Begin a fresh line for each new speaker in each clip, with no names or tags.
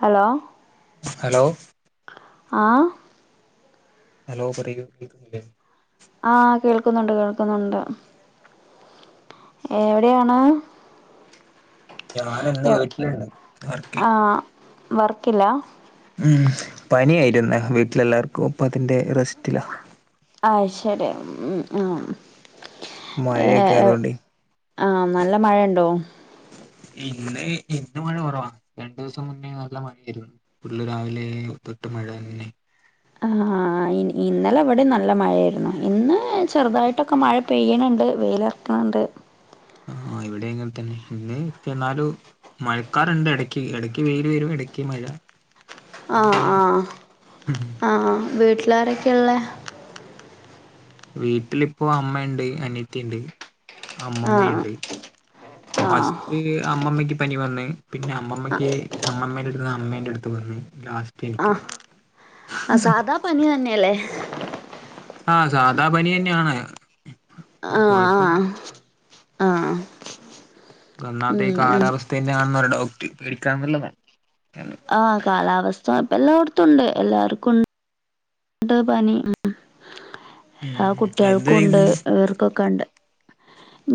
Hello.
Hello.
ആഹ്
hello പറയൂ കേൾക്കുന്നില്ലെ.
ആഹ് കേൾക്കുന്നുണ്ട് കേൾക്കുന്നുണ്ട്. എവിടെയാണ്.
ഞാന് ഇന്ന്
എവ്-
വീട്ടിലണ്ട് ഇന്ന് വർക്കില്ല.
വർക്കില്ല.
ഉം പനി ആയിരുന്നു വീട്ടിലെല്ലാവർക്കും അപ്പ അതിന്റെ റെസ്റ്റില്ല.
ആഹ് ശെരി ഉം ഉ
മഴയൊക്കെ അയതു കൊണ്ടേ
ആ നല്ല മഴ ഉണ്ടോ
ഇന്ന് ഇന്ന് മഴ കുറവാ രണ്ടു ദിവസം മുന്നേ നല്ല മഴയായിരുന്നു ഫുള്ള് രാവിലെ തൊട്ട് മഴ തന്നെ
അ ആഹ് ഇന്നലെ ഇവിടെ നല്ല മഴയായിരുന്നു ഇന്ന് ചെറുതായിട്ട് ഇടക്കൊക്കെ മഴ പെയ്യണണ്ട് വെയിലെറക്കണ് ണ്ട്
ആ ഇവിടെ ഇങ്ങനെ തന്നെ ഇന്ന് എന്നാലും മഴക്കാറുണ്ട് ഇടയ്ക്ക് ഇടക്ക് വെയിൽ വരും ഇടയ്ക്ക് മഴ ഇങ്ങനെ
ആഹ്
പോകുന്നു
ആഹ് ആഹ് വീട്ടിലാരൊക്കെയ ഇള്ളേ
വീട്ടിലിപ്പൊ അമ്മയിണ്ട് അനിത്തിണ്ട്
ആ
അമ്മമ്മയുണ്ട് ഫസ്റ്റ് അമ്മമ്മയ്ക്ക് പനി വന്ന്‌ പിന്നെ അമ്മമ്മയ്ക്ക് അമ്മമ്മയുടെടുത്ത് അമ്മേന്റെ അടുത്ത് വന്ന് ലാസ്
അ സാദാ പനി തന്നെയല്ലേ
ആ സാദാ പനി തന്നെയാണ്
ആഹ്
കൊഴപ്പൊന്നു
ആഹ് ആഹ്
ഒന്നാമത്
ഉം
ഈ
ഉം
കാലാവസ്ഥന്റെയാണെന്ന് ഒരു ഡൗട്ട് പേടിക്കാനൊന്നും ഇല്ലെന്നേ
ആ കാലാവസ്ഥ ഇപ്പ എല്ലായിടത്തും ഉണ്ട് എല്ലാവർക്കും ഉ ണ്ട് പനി എല്ലാ
ഉം എന്ത്
കുട്ടികൾക്കുണ്ട്
ചെയ്യുന്ന്
ഇവർക്കൊക്കെണ്ട്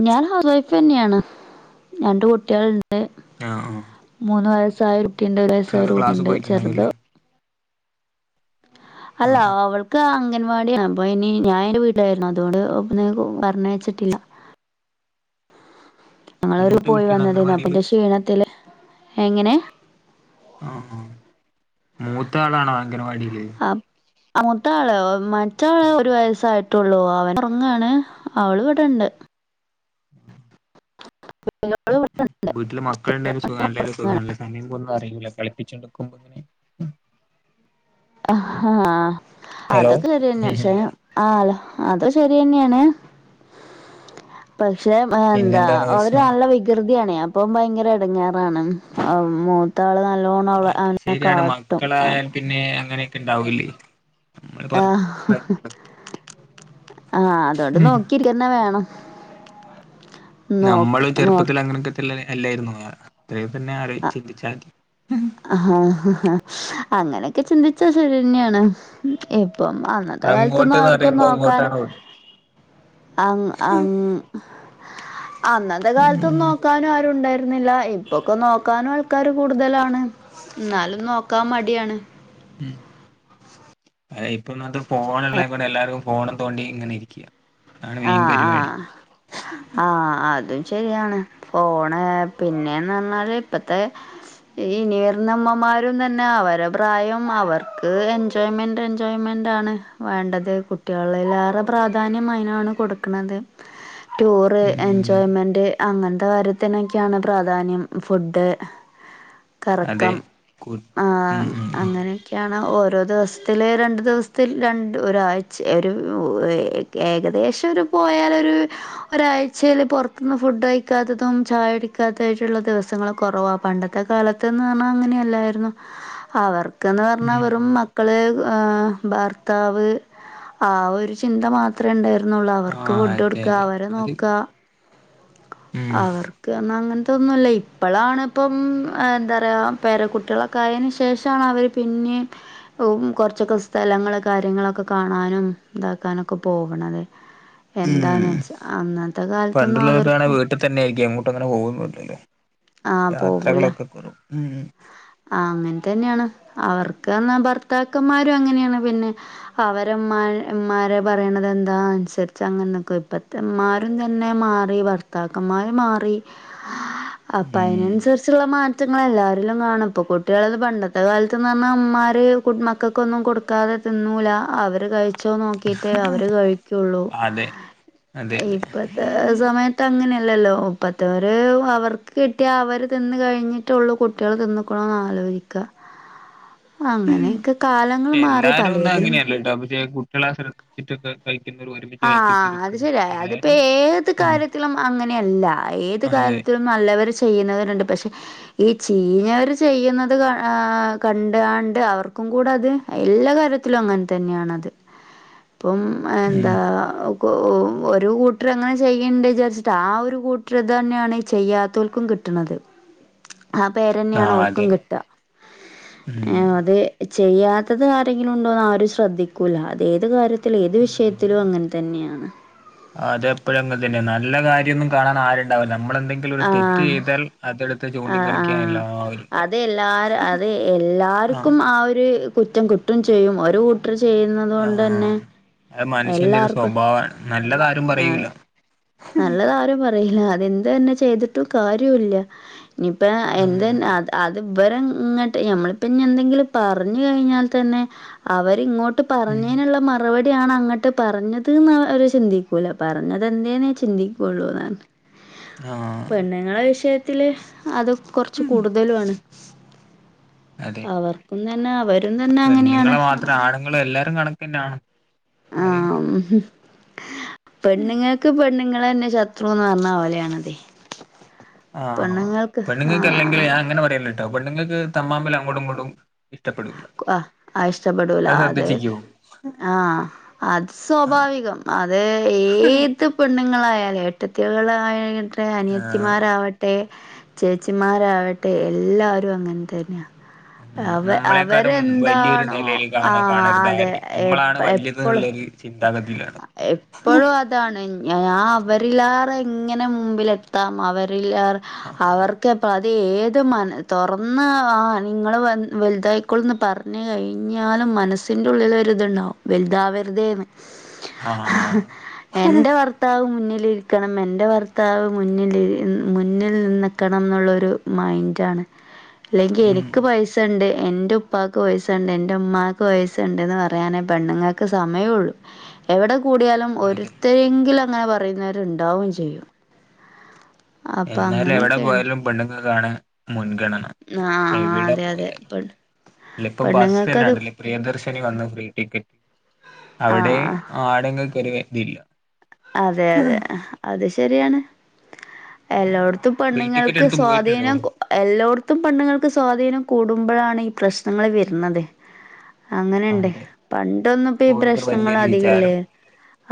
ഞാൻ ഹൗസ് വൈഫ് തന്നെയാണ് രണ്ട് കുട്ടികളുണ്ട്
ആഹ്
മൂന്ന് വയസ്സായ കുട്ടി ഉണ്ട് ഒരു വയസ്സായ
കുട്ടികളൊക്കെ ക്ലാസ്
ഒരുകുട്ടിയുണ്ട് ചെറുത്
പോയിട്ടുണ്ടാവുല്ലേ
അല്ല
ആഹ്
അവൾ ക്ക് അംഗൻവാടിയാണ് അപ്പൊ അയിനി ഇഞാൻ എന്റെ വീട്ടിലായിരുന്നു അതോണ്ട് പറഞ്ഞയച്ചിട്ടില്ല [inaudible] ഞങ്ങളൊരു
മൂത്ത
പോയി
കുട്ടിയാണോ
വന്നതേന്നു
അംഗൻവാടിയില്
അപ്പന്റെ ക്ഷീണത്തില് എങ്ങനെ?
മൂത്ത ആളാണോ അംഗൻവാടില്?
അപ് മൂത്ത ആളോ മറ്റെ ആള് ഒരു വയസ്സായി ട്ടൊള്ളൂ അവനൊറങ്ങാണ് അവള് ഇവിടണ്ട്
[inaudible]
[unintelligible]
വീട്ടില് മക്കളുണ്ടേലും സുഖാണല്ലെ അത് സുഖാണല്ലെ സമയം പോകുന്ന അറിയില്ല കളിപ്പിച്ച് എടുക്കും
അഹാ
ഹലോ
അതൊക്കെ ശരി തന്നേ പക്ഷേ ആഹ് അത് ശെരി തന്നേണ് പക്ഷെ എന്താ
പിന്നെന്താണ് പ്രശ്നം
ഒരാളടെ വി- കൃതിയാണ് അപ്പം ഭയങ്കര എടങ്ങേറാണ് അപൊ മോ ത്താള് നല്ലോണം അവള
അത്
അവനെ
ശരിയാണ്
കാട്ടും അ
മക്കളായാൽ പിന്നെ അങ്ങനെയൊക്കെ ഉണ്ടാവൂല്ലേ നമ്മള് പറഞ്ഞ് മനസ്സിലാക്കി കൊടു
ആ അതോണ്ട് നോക്കിക്കന്നെ വേണം നോക്ക്
നമ്മള്
നോക്ക്
ചെറുപ്പത്തില് അങ്ങനെയൊക്കെ തന്നെ അല്ലായിരുന്നു അത്രയും തന്നെ ആലോ ചിന്തിച്ചാ മതി
അഹ ഹ ഹ അങ്ങനെയൊക്കെ ചിന്തിച്ചാ ശരി തന്നെയാണ് ഇപ്പം അന്നത്തെ കാലത്തൊന്നും
അങ്ങോട്ട്ന്ന്
ആർക്കും
പറയുമ്പോ
നോക്കാന്
ഇങ്ങോട്ടാണ് ഓടുക
അങ് അങ് അന്നത്തെ കാലത്തൊന്നും
ഉം
നോക്കാനും ആരും ഉണ്ടായിരുന്നില്ല ഇ പ്പൊക്കെ നോക്കാനും ആൾക്കാര് കൂടുതലാണ് ഇന്നാലും നോക്കാൻ മടിയാണ്
ഉം അയിനിപ്പൊ ഒന്നാമത്തത് ഫോണ് ഉള്ളതുക്കൊണ്ട് എല്ലാരും ഫോണും തോണ്ടി ഇങ്ങനെ ഇരിക്ക
ആഹ് ആഹ് ആ അതും ശരിയാണ് ഫോണ് പിന്നേന്ന് പറഞ്ഞാല് ഇപ്പത്തെ ഇനി വരുന്ന അമ്മമാരും തന്നെ അവരെ പ്രായം അവർക്ക് എൻ - ടേൺമെന്റ് എൻജോയ്മെന്റ് ആണ് വേണ്ടത് കുട്ടികളിൽ ഏറെ പ്രാധാന്യം അയിനാണ് കൊടുക്ക്ണത് ടൂറ്
ഉം
എൻജോ- ടേൺമെന്റ് അങ്ങനത്തെ കാര്യത്തിനൊക്കെയാണ് പ്രാധാന്യം ഫുഡ്
അതെ
കറക്കം
കു ഉം
ആഹ്
ഉം ഉം
അങ്ങനെ. ക്കെയാണ്. ഓരോ ദിവസത്തില്, രണ്ട് ദിവസത്തിൽ, രണ്ട് ഒരാഴ്ച ഒരു ഏകദേശം ഏറിപ്പോയാലൊര്. ഒരാഴ്ചയില് പൊർത്ത്ന്ന് ഫുഡ് കഴിക്കാത്തതും ഛായുടിക്കാത്തായിട്ട്ള്ള ദിവസങ്ങള് കൊറവാ പണ്ട ത്തെ കാലത്ത്ന്ന് പറഞ്ഞാ അങ്ങനെയല്ലായിരുന്നു അവർക്ക്ന്ന് പറഞ്ഞാ
ഉം
വെറും മ ക്കള് ആ ഭർത്താവ് ആ ഒരു ചിന്ത മാത്രേ ഉണ്ടാ ന്നൊള്ളൂ അവർക്ക്
ആഹ് അതെ
ഫുഡോട്ക്കാ
അതെ അത്
അവരെനോക്കാ.
ഉം
അവർക്ക് പറഞ്ഞ അങ്ങൻത്തൊന്നു അല്ലയ് ഇപ്പളാണ്പ്പം എന്താ പറയാ പേര കുട്ട്യാളൊ ക്കായേന് ശേഷാണ് അവര് പിന്നിം. ഉം കൊർച്ചൊക്കെ സ്ഥലങ്ങള് കാര്യങ്ങളൊക്കെ കാണാനും താക്കാനൊക്കെ പോവണത്.
ഉം
എന്താന്ന് വെച്ചാ അന്നത്തെ കാലത്തൊന്നും അവർ.
തന്നെയായിരിക്കും എങ്ങോട്ടും അങ്ങനെ പോവൊന്നുല്ലല്ലോ
ആ
യാത്രകളൊക്കെ കൊറ ഉം.
ആഹ് അങ്ങൻതന്ന്യാണ് അവർക്ക് പർഞ്ഞാ ഭർത്താക്കന്മാരും അങ്ങനേണ് പിന്നെ. അവരെമ്മാ മ്മാരെ പറിണതെന്താ അൻസര്ച്ചങ്ങനെ നിക്കും ഇപ്പത്തെ മ്മാ രും തന്നെ മാറി ഭർത്താക്കമ്മാര് മാറി.
ഉം
അപ്പയ്നൻസര്ച്ച്ള്ള മാറ്റങ്ങള് എല്ലാരിലും കാണും. ഇപ്പൊ കുട്ട്യാള് പണ്ടത്തെ കാലത്ത്ന്ന്ർഞ്ഞാ ഇമ്മാര് കു മക്കക്കൊന്നും കൊട്ക്കാതെ തിന്നൂല അവര്. കഴിച്ചോ നോക്കീട്ടേ അവര് കഴിക്കുള്ളൂ
അതെ അതെ അതെ
ഇപ്പത്തെ സമയ ത്തങ്ങനെയല്ലല്ലോ ഇപ്പത്തവര് അവർക്ക് കിട്ടിയാ അവര് തിന്ന് കഴിഞ്ഞിട്ടുള്ളൂ കുട്ട്യള് തിന്നു. ക്കോ ആലോയ്ക്ക അങ്ങനെക്കെ കാലങ്ങള് മാറി പലേതിലും.
രണ്ടാമത്തെയാക്ക് കു ട്ട്യളെ. [unintelligible] [unintelligible]
ആഹ് അത് ശര്യ അതിപ്പ ഏത്
ആഹ്
കാര്യത്തിലും അങ്ങനെയല്ല ഏത്
അതെ
കാര്യത്തിലും. നല്ലവര് ചെയ്യ്ന്നവര്ണ്ട് പക്ഷെ. ഈ ചീഞ്ഞവര് ചെയ്യ്ന്നത് ക ആ കണ്ട് കാണ്ട് അവർക്കും കൂടെ അത്. എല്ലാ കാര്യത്തിലും അങ്ങൻതന്നെയാണത് ഇപ്പം എന്താ.
ഉം
കു ഊ ഒരു കൂട്ടര് അങ്ങനെ ചെയ്യ്ണ്ട് വിചാരിച്ചിട്ട് ആ ഒരു കൂട്ട്ര് തന്നെയാണ് ഈ ചെയ്യാത്തോൽക്കും കിട്ട്ണത്. ആ പേരെന്നേണ്
ആഹ്
ഓൽക്കും
അതെ
കിട്ടാ ഏ
ഉം
അത്. ചെയ്യാത്തത് ആരെങ്കിലുണ്ടോന്ന് ആരും ശ്രദ്ധിക്കൂല്ല അത് ഏത് കാര്യ ത്തില് ഏത് വിഷയത്തിലും അങ്ങൻതന്നെയാണ്.
അതെപ്പഴും അങ്ങെൻതന്നെ നല്ല കാര്യൊന്നും കാണാൻ ആരു ണ്ടാവൂല നമ്മളെന്തെങ്കിലും ഒര് തെറ്റ്
ആഹ്
ചെയ്താൽ അതെടുത്ത് ചൂണ്ടിക്കാണിക്കാനെല്ലാവരു
ഇത് എല്ലാര അതെ എല്ലാർക്കും ആ ഒരു കുറ്റം കിട്ടും ചെയ്യും ഒരു കൂട്ടർ ചെയ്യുന്ന. അതുകൊണ്ടെന്നെ
ആഹ് അത് മനുഷ്യന്റെ ഒരു
എല്ലാർക്കും.
സ്വഭാവമാണ് നല്ലതാരും പറയൂല.
നല്ലതാരും പറയില അതെന്ത് തന്നെ ചെയ്തിട്ടും കാര്യുല്ല. ഞ്ഞിപ്പെ എന്തെൻ
ആഹ്
അത് അത്. ഇവരെ ഇങ്ങട്ട് ഞമ്മളിപ്പഞ്ഞെന്തെങ്കിലും പറഞ്ഞ് കഴിഞ്ഞാൽ തന്നെ അവരിങ്ങോ ട്ട്
ഉം
പറഞ്ഞേന്ള്ള മറുപടി ആണങ്ങട്ട് പറഞ്ഞത് ന്ന് അവര് ചിന്തിക്കൂല പറഞ്ഞതെന്തേന്ന് വെച്ച. ചിന്തിക്കുള്ളൂന്നാണ്
ആഹ്
പെണ്ണ്ങ്ങളെ വിഷയത്തില് അതൊ കൊർച്ച്
ഉം
കൂടുതലു ആണ്.
അതെ
അവർക്കും തന്നെ അവരും തന്നെ അങ്ങനെയാണ്.
ഇങ്ങളെല്ലാരും കണ്ക്കെന്നാണ് ആരെ
ഉം പെണ്ണ്ങ്ങക്ക് പെണ്ണ്ങ്ങളെന്നെ ശ ത്രുന്ന് പറഞ്ഞ പോലേയാണതേ.
ആഹ് പെണ്ണ്ങ്ങക്ക് അല്ലെങ്കിലെ
ആ
ഞാൻ അങ്ങനെ പറയല്ലട്ടോ പെണ്ണ്ങ്ങക്ക് തമ്മ് മ്മ്ല് അങ്ങോടും ഇങ്ങോടും. ഇഷ്ടപ്പെടൂല.
കു ആഹ് ആ ഇഷ്ടപ്പെടൂല അതെ. ആഹ്. അത്
ആഹ്
സ്വാഭാവികം. അത് ഏത് ത്തെ പെണ്ണങ്ങളായാല് ഏട്ടത്തികളായട്ടെ അനിയത്തിമാരാവ ചേച്ചിമാരാവട്ടെ എല്ലാരും അങ്ങൻതന്ന്യ
ഉം
അവ
നമ്മളെക്കാട്ടും വലിയൊരു
അവരെന്താണോ
നിലയിൽ കാണ
ആഹ് അതെ എപ്പൊ എപ്പളും
ചിന്താഗതില്ല
എപ്പഴും അതാണ് ഞാ അവരിലേറെ എങ്ങനെ മുമ്പിലെത്താം അവര് [unintelligible] അവർക്കേപാ ഏത് മൻ തൊർന്ന് ആഹ് നിങ്ങള് വലുതായിക്കോള്ന്ന് പറ് കഴിഞ്ഞാലും മനസ്സിന്റെ ഉള്ളിലൊര് ഇത്ണ്ടാവും വല്താവര്തേന്ന്
ആഹ്
എന്റെ വർ ഭർത്താവ് മുന്നിലിരിക്കണം എൻ്റെ ഭർത്താവ് മുന്നിലി മുന്നിൽ നിക്കണംന്ന്ള്ളൊരു മൈൻഡാണ് ഇല്ലെങ്കി
ഉം
എനിക്ക് പൈസ പൈസണ്ട് എൻ്റെ ഉപ്പാക്ക് പൈസ്സണ്ട് എൻ്റെ ഉമ്മാക്ക് പൈസ്സണ്ട്ന്ന് പറയാനെ പെണ്ണുങ്ങക്ക് സമയൊള്ളു എവ്ടെ കൂടിയാലും
അതെ
ഒരുത്തരെങ്കിലും അങ്ങനെ പറയുന്നവരുണ്ടാവും ചെയ്യും അപ്പം
എന്നാലും എവ്ടെ
അങ്ങനെയൊക്കെയാണ്
പോയാലും പെണ്ണുങ്ങക്കാണ് മുൻഗണന
ആഹ് ആഹ് അതെ അതെ പെണ്ണ്
ഇപ്പൊ ബസ്സെന്നെ
പെണ്ണുങ്ങൾക്കത്
കണ്ടില്ലെ പ്രിയദർശിനി വന്ന് ഫ്രീ ടിക്കറ്റ്
ആ
അവ്ടെ ആണുങ്ങക്കൊരുവെ ഇതില്ല
അതെ അതെ അത് ശരിയാണ് എല്ലോട്ത്തും
ഫ്രീ ടിക്കറ്റ്
പെണ്ണുങ്ങൾക്ക്
എടുത്ത് പോയിട്ടുണ്ടോ
സ്വാധീനം എല്ലോട്ത്തും പെണ്ണുങ്ങൾക്ക് സ്വാധീനം കൂടുമ്പഴാണ് ഈ പ്രശ്നങ്ങള് വെർന്നത്
ആ
അങ്ങനെണ്ട്
അതെ
പണ്ടൊന്നും ഈ
ഓർക്കൊരു വലിയൊരു
പ്രശ്നങ്ങളധികല്ലേ
വിചാരം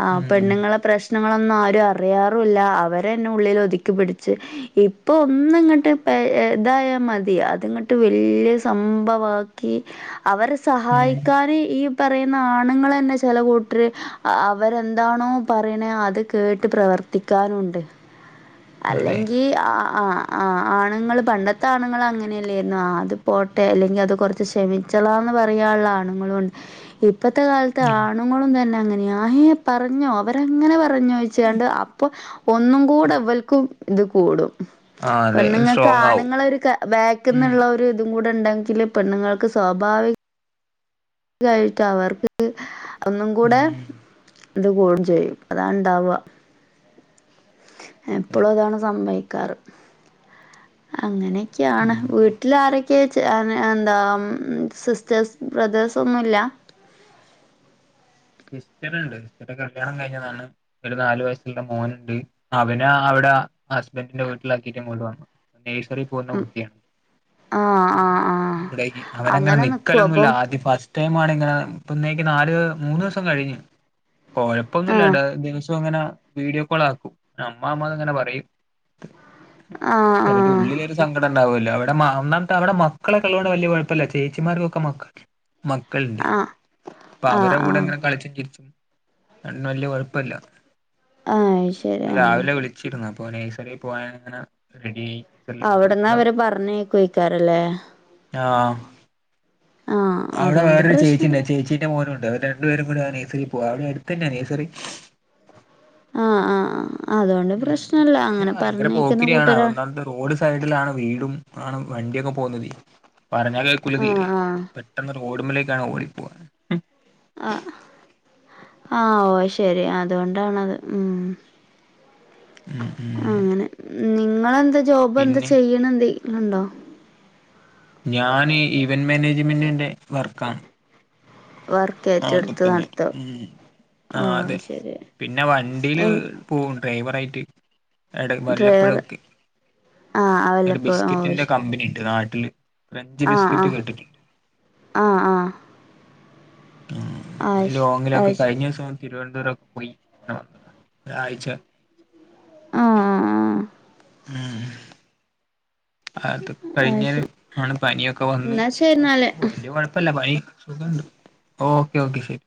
ആഹ്
ഉം
പെണ്ണുങ്ങളെ പ്രശ്നങ്ങളൊന്നും ആരും അറിയാറുല്ല അവരെന്നെ ഉള്ളിൽ ഒതുക്കി പിടിച്ച് ഇ പ്പൊന്ന്ങ്ങ്ട്ട് പെ ഇതായ മതി അത്ങ്ങ്ട്ട് വല്യ സംഭവാക്കി അവരെ
ഉം
സഹായിക്കാന് ഈ പറയുന്ന ആണുങ്ങളന്നെ ചെല കൂട്ട്ര് അവരെന്താണോ പറയ്ണെ അത് കേട്ട് പ്രവർത്തിക്കാനുണ്ട്
അതെ
അല്ലെങ്കി ആഹ് ആഹ് ആഹ് ആഹ് ആണുങ്ങള് പണ്ടത്തെ ആണുങ്ങള അങ്ങനെല്ലെര്ന്നു ആഹ് അത് പോട്ടെ അല്ലെങ്കി അത് കൊറ്ച്ച് ക്ഷമി ച്ചളാന്ന് പറയാള്ള ആണുങ്ങളുണ്ട് ഇപ്പത്തെ കാലത്ത്
ഉം
ആണുങ്ങളും തന്നെ അങ്ങനെയ അയ് പറഞ്ഞോ അവ അങ്ങനെ പറഞ്ഞോ ചോയ്ച്ചാണ്ട് അപ്പൊ ഒന്നുംകൂട ഇവൽക്കും ഇത് കൂടും
ആ അതെ
പെണ്ണുങ്ങക്ക്
സ്ട്രോങ് ആവും
അണ്ങ്ങളെ ഒരു ക
ഉം
ബേക്ക്ന്നുള്ളൊര് കൂടെണ്ടെങ്കില് പെണ്ണുങ്ങൾക്ക് സ്വാഭാവിക കാഴിട്ട് അവർക്ക് ഒന്നും കൂടെ
ഉം
ഇത് കൂടും ചെയ്യും അതാണ്ടാവ
അതെ
എപ്പളും അതാണ് സംഭവിക്കാറ് അങ്ങനെയെക്ക്യാണ്
ഉം
വീട്ടില് ആരെ ക്കെ എന്താ സിസ്റ്റേഴ്സ് ബ്രദേഴ്സൊന്നുല്ല
സിസ്റ്ററ്ണ്ട് സിസ്റ്ററെ കല്യാണം കഴിഞ്ഞതാണ് ഒരു നാലുവയസ്സുള്ള മോനുണ്ട് അവനെ അവ്ടെ ഹസ്ബൻഡിന്റെ വീട്ടിലാക്കീറ്റ് [unintelligible] വന്നു നെഴ്സറി പോവുന്ന
ഉം
കുട്ട്യ
ആ ആ ആ
കയ്ഞ്ഞ് അവനങ്ങനെ
അങ്ങനെ നിക്കുവോ
നിക്കലൊന്നുല്ല
അപ്പം
ആദ്യ ഫ ട്ടൈമാണ് ഇങ്ങനെ ഇപ്പന്നേക്ക് നാല് മൂന്നൂസം കഴിഞ്ഞ് കൊഴ
ആ
പ്പൊന്നുല്ല ദിവസൊങ്ങന വീഡിയോ കോൾ ആക്കും അമ്മ അമ്മാന്ന് ഇങ്ങന പറയും
ആ ആ
അല്ലെങ്കി ഉള്ളില് സങ്കടണ്ടാവുല്ലോ അവടെ മ ഒന്നാമത്ത് അവടെ മക്കളെക്കെള്ളോണ്ട് വല്ല്യ കോഴപ്പല്ല ചേച്ചിമാർക്കൊക്കെ മക്ക മക്കൾണ്ടേ
ആ
പ്പൊ
ആ ആ ആ
അവരെകൂടെങ്ങനെ കളിച്ചുംചിരിച്ചും അതോണ്ട്ന്നേ വല്ല്യ കൊഴപ്പല്ല
അത് ശരി ആ
രാവിലെ വിളി ച്ചിരുന്നു അപ്പോ നെയ്സറി പോവാൻങ്ങനെ റെഡിയി
അവ്ടന്ന് അവര് പറഞ്ഞേയ്ക്ക്വക്കാരലേ
ആ
ആ
അവടെ
അതുകൊണ്ട്
വേറൊരു
പ്രശ്നമില്ല
ചേച്ചീണ്ട് ചേച്ചീ ന്റെ മോനുണ്ട് അവര് രണ്ടുപേരും കൂടെ നേഴ്സറി പോവാ അവടെടുത്തന്നേ നേയ്സറി
ആ ആ ആഹ് അതോണ്ട്
ഉം
പ്രശ്നല്ല അങ്ങനെ
ഭയങ്കര
പറഞ്ഞേക്കുന്ന
പോക്കിരിയാണ്
കൂട്ടരാ
ഒന്നാമത്തെ റോഡ് സൈഡിലാണ് വീടും ആണ് വണ്ടിയൊക്കെ പോന്നില്ല്യ പറഞ്ഞാ കേക്കൂല
ആ
തീരെ
ആ
പെട്ടെന്ന് റോഡിമ്മേലേക്കാണ് ഓടിപ്പോകാ
ആ ആ ഓ ശരി അത്കൊണ്ടാണത് ഉം
ഉം ഉം
അങ്ങനെ നിങ്ങളെന്താ ജോബ് എന്താ
പിന്നെ
ചെയ്യണ എന്തി [unintelligible] ണ്ടോ
ഞാന് ഇവന്റ് മാനേജ്മെന്റിന്റെ വർക്കാണ്
വർക്ക്
നാട്ടി
ഏറ്റെടുത്ത്
തന്നെ
നടത്തോ
മ്
ഓ
ആ അതെ
ശരി
പിന്നെ
എ
വണ്ടില് - പോവും ഡ്രൈവറായിട്ട് എടെ
ഡ്രൈവർ
വല്ലപ്പഴൊക്കെ
ആ വല്ലപ്പോ ഓ
ബിസ്കറ്റിന്റെ
ശരി
കമ്പനി ണ്ട് നാട്ടില് ക്രഞ്ച്
ആ ആ
ബിസ്ക്കറ്റ് കേട്ടിട്ടുണ്ട്
ആ ആ ആ
ഉ
ആ
ലോങ്ങിലൊക്കെ കയ്ഞ്ഞ സം തിരുവനന്തപുരം ഒക്കെ പോയി ന്നെ വന്നതാ ഒരായ്ച്ച
ആ ആ ആ
മ് മ് അതൊക്കെ
ആ
കയ്ഞ്ഞേല് ആണ് പനിയൊക്കെ വന്ന്
എന്നാ ശരി എന്നാല്
പ്പ വല്ല്യ കൊഴപ്പ് പ്പല്ല പനി സുഖണ്ട് ഓക്കേ ഓക്കെ ശരി